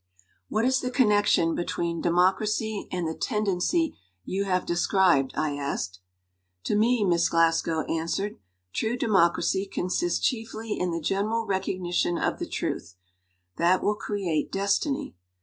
"What is the connection between democracy and the tendency you have described?" I asked. "To ' me," Miss Glasgow answered, "true democracy consists chiefly in the general recogni tion of the truth that will create destiny.